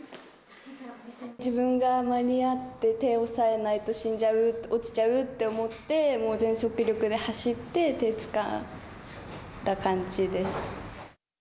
自分が間に合って、手を押さえないと死んじゃう、落ちちゃうって思って、もう全速力で走って、手、つかんだ感じです。